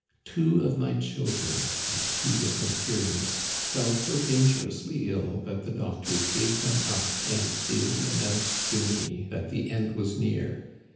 Two of my children, at two different periods, fell so dangerously ill that the doctors gave them up and daily announced to me that the end was near.